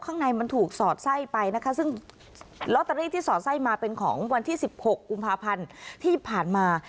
ข้างในมันถูกสอดไส้ไปนะคะซึ่งลอตเตอรี่ที่สอดไส้มาเป็นของวันที่๑๖กุมภาพันธ์ที่ผ่านมา